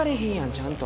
ちゃんと。